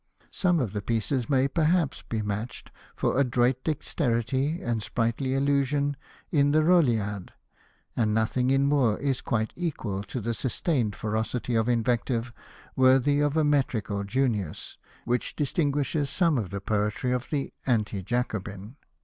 Some of the pieces may perhaps be matched for adroit dexterity and sprightly allusion in the Rolliad^ and nothing in Moore is quite equal to the sustained ferocity of invective, worthy of a metrical Junius, which distinguishes some of the Hosted by Google xviu POETRY OF THOMAS MOORE poetry of the Anti Jacobin.